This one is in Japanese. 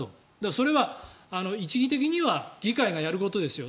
それは一義的には議会がやることですよ。